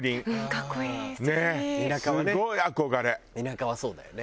田舎はそうだよね。